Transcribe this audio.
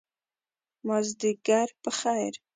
مازدیګر په خیر !